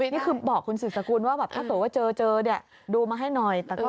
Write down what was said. นี่คือบอกคุณสื่อสกุลว่าถ้าตัวว่าเจอดูมาให้หน่อย